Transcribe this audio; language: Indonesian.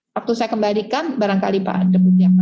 waktu saya kembalikan barangkali pak deputnya